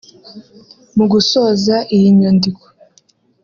Mu gusoza iyi nyandiko